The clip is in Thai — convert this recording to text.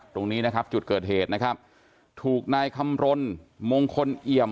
ตรงนี้นะครับจุดเกิดเหตุนะครับถูกนายคำรณมงคลเอี่ยม